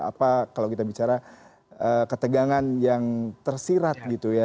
apa kalau kita bicara ketegangan yang tersirat gitu ya